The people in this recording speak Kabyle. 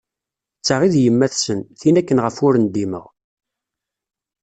D ta i d yemmat-nsen, tin akken i ɣef ur ndimeɣ.